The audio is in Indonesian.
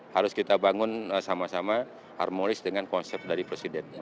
harus kita bangun sama sama harmonis dengan konsep dari presiden